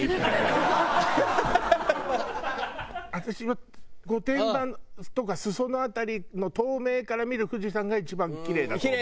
私は御殿場とか裾野辺りの東名から見る富士山が一番キレイだと思う。